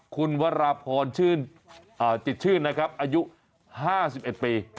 คุณวราพรจิตชื่นนะครับอายุ๕๑ปี